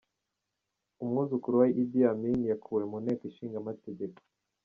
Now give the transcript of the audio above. Umwuzukuru wa Idi Amin yakuwe mu nteko ishinga amategeko.